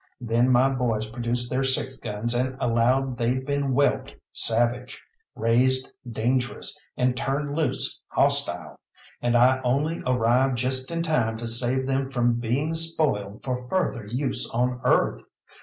Then my boys produced their six guns and allowed they'd been whelped savage, raised dangerous, and turned loose hostile and I only arrived just in time to save them from being spoiled for further use on earth.